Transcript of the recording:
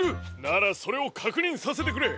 ならそれをかくにんさせてくれ！